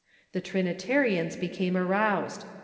The Trinitarians became aroused.